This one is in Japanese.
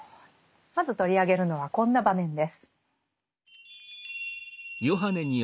まず取り上げるのはこんな場面です。